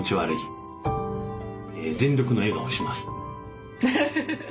全力の笑顔します。